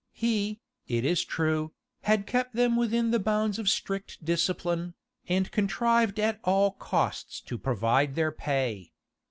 He, it is true, had kept them within the bounds of strict discipline, and contrived at all costs to provide their pay.